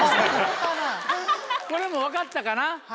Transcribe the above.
これもう分かったかな。